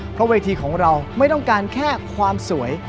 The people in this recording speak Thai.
เพราะเวทีของเราไม่ต้องการแค่ความสวย